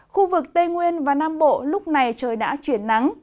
khu vực tây nguyên và nam bộ lúc này trời đã chuyển nắng